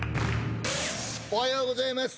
おはようございます。